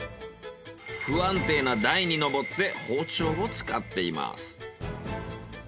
不安定な台に上って包丁を使っています。